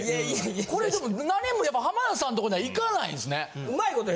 これでも何もやっぱ浜田さんとこにはいかないんですね。